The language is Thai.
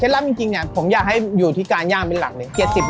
เช่นแล้วจริงเนี่ยผมอยากให้อยู่ที่การย่างเป็นหลักเลย